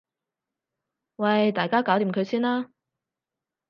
喂大家搞掂佢先啦